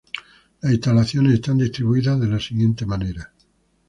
Las instalaciones están distribuidas de la siguiente manera.